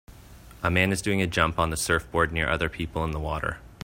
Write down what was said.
A man is doing a jump on the surfboard near other people in the water.